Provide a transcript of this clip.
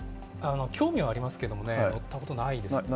興味はありますけれどもね、乗ったことないですね。